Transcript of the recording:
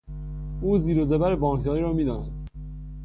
او زیر و زبر بانکداری را میداند.